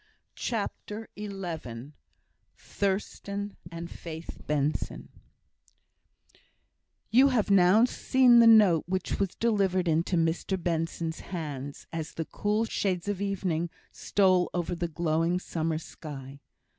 CHAPTER XI Thurstan and Faith Benson You have now seen the note which was delivered into Mr Benson's hands, as the cool shades of evening stole over the glowing summer sky.